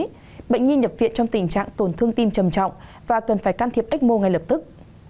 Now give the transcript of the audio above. tuy nhiên bệnh nhi nhập viện trong tình trạng tổn thương tim trầm trọng và cần phải can thiệp ecmo ngay lập tức